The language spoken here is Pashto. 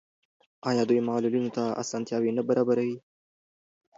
آیا دوی معلولینو ته اسانتیاوې نه برابروي؟